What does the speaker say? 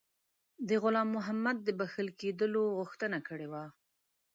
د غلام محمد د بخښل کېدلو غوښتنه کړې وه.